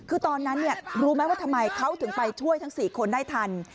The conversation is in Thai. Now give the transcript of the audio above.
คือตอนนั้นรู้ไหมว่าทำไมเขาถึงไปช่วยทั้ง๔คนได้ทัน